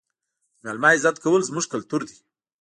د مېلمه عزت کول زموږ کلتور دی.